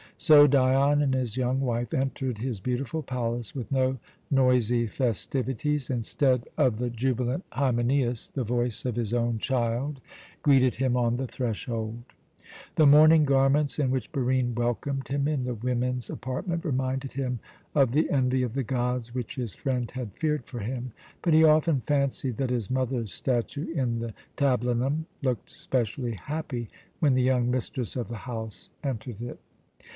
So Dion and his young wife entered his beautiful palace with no noisy festivities. Instead of the jubilant hymenæus, the voice of his own child greeted him on the threshold. The mourning garments in which Barine welcomed him in the women's apartment reminded him of the envy of the gods which his friend had feared for him. But he often fancied that his mother's statue in the tablinum looked specially happy when the young mistress of the house entered it.